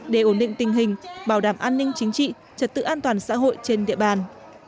để ổn định tình hình bảo đảm an ninh chính trị trật tự an toàn xã hội trên địa bàn